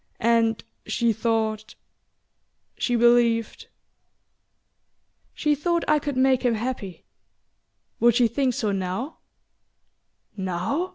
And she thought she believed " "She thought I could make him happy. Would she think so now?" "Now...?